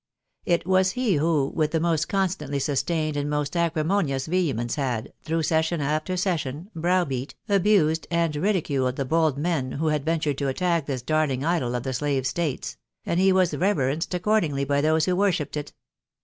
It was he who, with the most constantly sustained and most acri monious vehemence had, through session after session, brow beat, abused, and ridiculed the bold men who had ventured to attack this darling idol of the slave states ; and he was reverenced accord ingly by those who worshipped it.